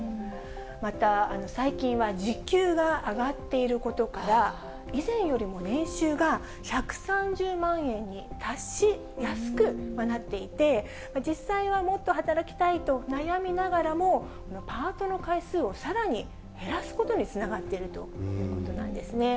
また、最近は時給が上がっていることから、以前よりも年収が１３０万円に達しやすくはなっていて、実際はもっと働きたいと悩みながらも、パートの回数をさらに減らすことにつながっているということなんですね。